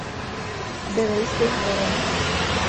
Byli jste zvoleni.